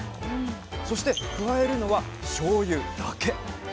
そして加えるのはしょうゆだけ！